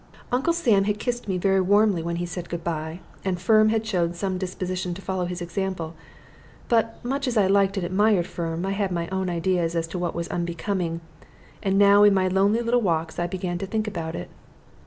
Uncle Sam had kissed me very warmly when he said "good by," and Firm had shown some disposition to follow his example; but much as I liked and admired Firm, I had my own ideas as to what was unbecoming, and now in my lonely little walks I began to think about it.